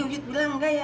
uyut bilang gak ya